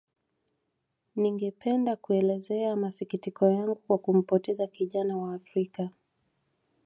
Ningependa kuelezea masikitiko yangu kwa kumpoteza kijana wa Afrika